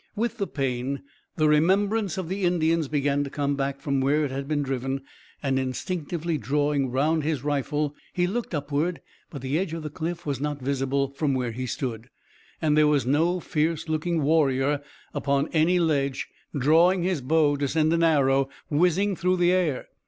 With the pain the remembrance of the Indians began to come back from where it had been driven, and instinctively drawing round his rifle, he looked upward; but the edge of the cliff was not visible from where he stood, and there was no fierce looking warrior upon any ledge drawing his bow to send an arrow whizzing through the air.